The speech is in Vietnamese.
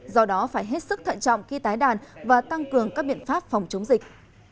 do đó phải hết sức thận trọng khi tái đàn và tăng cường các biện pháp phòng chống dịch